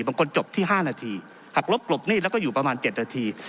บางคนจบที่๕นาทีหักลบกลบหนี้แล้วก็อยู่ประมาณ๗นาที